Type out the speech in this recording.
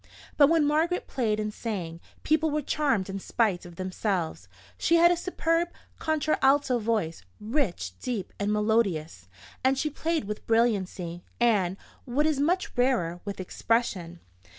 But when Margaret played and sang, people were charmed in spite of themselves. She had a superb contralto voice, rich, deep, and melodious; and she played with brilliancy, and, what is much rarer, with expression.